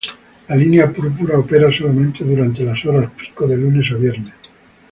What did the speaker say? La línea Púrpura opera solamente durante las horas pico de lunes a viernes.